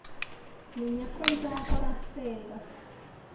Menya ko nzahora nsenga